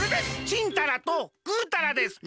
チンタラとグータラです。